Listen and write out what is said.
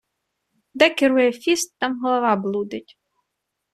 Де керує фіст, там голова блудить.